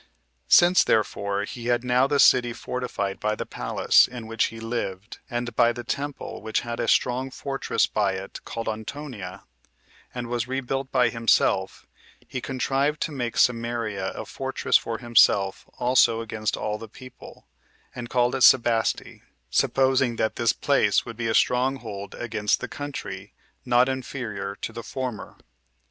5. Since, therefore, he had now the city fortified by the palace in which he lived, and by the temple which had a strong fortress by it, called Antonia, and was rebuilt by himself, he contrived to make Samaria a fortress for himself also against all the people, and called it Sebaste, supposing that this place would be a strong hold against the country, not inferior to the former.